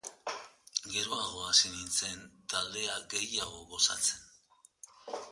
Geroago hasi nintzen taldea gehiago gozatzen.